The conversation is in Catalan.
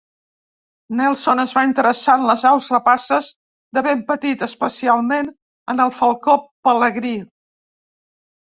Nelson es va interessar en les aus rapaces de ben petit, especialment en el falcó pelegrí.